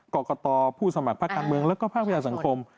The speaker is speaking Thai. กรกตผู้สมัครภาคการเมืองแล้วก็ภาคประชาสังคม